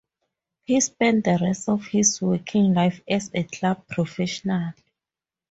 He spent the rest of his working life as a club professional.